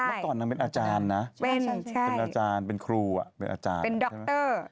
เมื่อก่อนนางเป็นอาจารย์นะเป็นอาจารย์เป็นครูเป็นอาจารย์เป็นดร